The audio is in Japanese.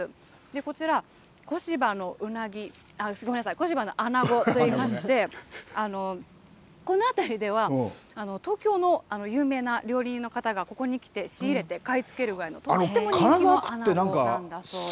こちら、小柴のうなぎ、ごめんなさい、小柴のあなごといいまして、この辺りでは、東京の有名な料理人の方がここに来て、仕入れて買い付けるくらいの、とっても人気のあなごなんです。